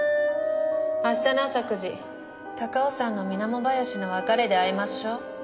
明日の朝９時高尾山の水面林の別れで会いましょう。